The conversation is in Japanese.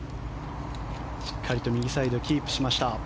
しっかりと右サイドキープしました。